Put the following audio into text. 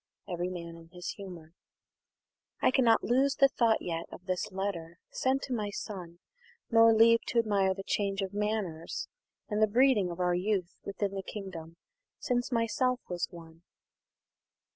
Every Man in his Humour. "I cannot lose the thought yet of this letter, Sent to my son; nor leave t' admire the change Of manners, and the breeding of our youth Within the kingdom, since myself was one."